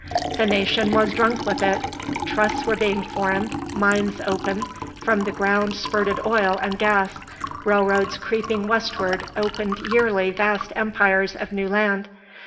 The nation was drunk with it, trusts were being formed, mines opened; from the ground spurted oil and gas; railroads creeping westward opened yearly vast empires of new land.